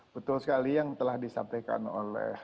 betul sekali yang telah disampaikan oleh